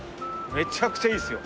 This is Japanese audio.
めちゃくちゃいいっすよ。